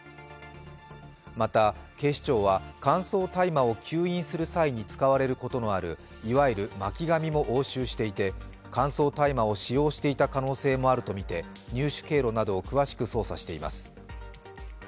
また、警視庁は乾燥大麻を吸引する際に使われることのあるいわゆる巻紙も押収していて、乾燥大麻を使用していた可能性もあるとみて入手経路などを詳しく捜査しています。